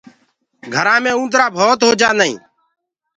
گھرآنٚ مي اُندرآ ڀوت هوجآندآ هينٚ